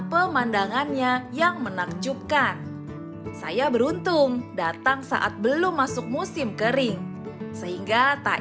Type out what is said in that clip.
pemandangannya yang menakjubkan saya beruntung datang saat belum masuk musim kering sehingga tak